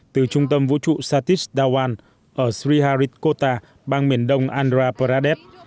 từ trung tâm vũ trụ satish dhawan ở sriharit kota bang miền đông andhra pradesh